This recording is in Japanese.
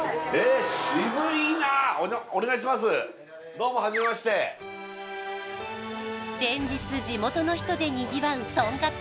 どうも初めまして連日地元の人でにぎわうとんかつ